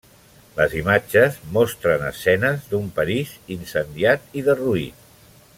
Les imatges mostren escenes d'un París incendiat i derruït.